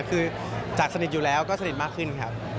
คือจากสนิทอยู่แล้วก็สนิทมากขึ้นครับ